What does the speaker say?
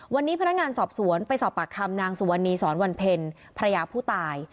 วันนี้พนักงานสอบสวนไปสอบปากคำงางสวนีศรวรรณเพลภรรยาผู้ตาย